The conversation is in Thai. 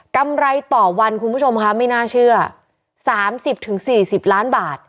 กำไรต่อวันคุณผู้ชมคะไม่น่าเชื่อสามสิบถึงสี่สิบล้านบาท